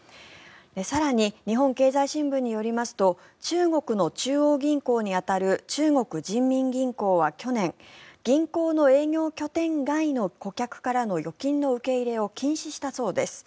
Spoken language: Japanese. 更に、日本経済新聞によりますと中国の中央銀行に当たる中国人民銀行は去年、銀行の拠点以外の顧客から預金の受け入れを禁止したそうです。